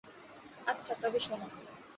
আচ্ছা, তবে শোনো।